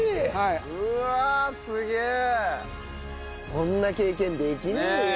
こんな経験できないよ。